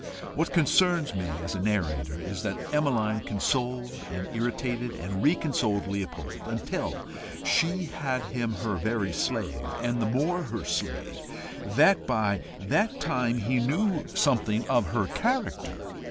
What concerns me as a narrator is, that Emmeline consoled and irritated and re consoled Leopold, until she had him her very slave, and the more her slave that by that time he knew something of her character.